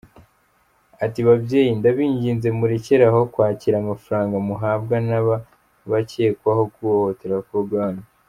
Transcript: Ati “Babyeyi ndabinginze murekeraho kwakira amafaranga muhabwa n’aba bakekwaho guhohotera abakobwa banyu.